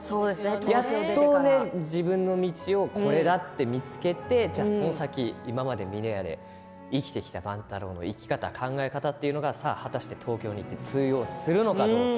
やっと自分の道をこれだと見つけてじゃあその先、今まで峰屋で生きてきた万太郎の生き方考え方というのが果たして東京で通用するのか。